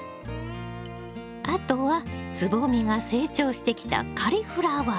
あとは蕾が成長してきたカリフラワー。